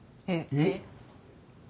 えっ？